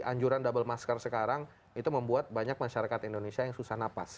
anjuran double masker sekarang itu membuat banyak masyarakat indonesia yang susah napas